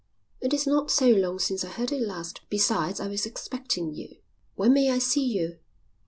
"It is not so long since I heard it last. Besides, I was expecting you." "When may I see you?"